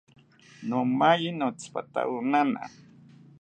Nomaye notzipatawo nana